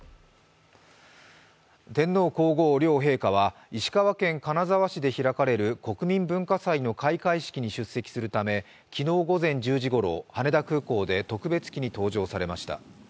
天皇皇后両陛下は石川県金沢市で開かれる国民文化祭の開会式に出席するため昨日午前１０時ごろ、羽田空港で特別機に搭乗されました。